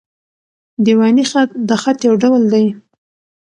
دېواني خط؛ د خط یو ډول دﺉ.